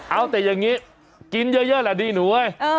เอาแต่อย่างนี้กินเยอะแหละดีหนูเว้ย